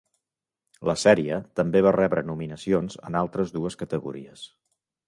La sèrie també va rebre nominacions en altres dues categories.